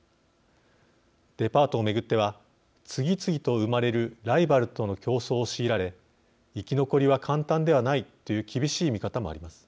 デパートを巡っては次々と生まれるライバルとの競争を強いられ生き残りは簡単ではないという厳しい見方もあります。